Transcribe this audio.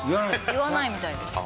言わないみたいです。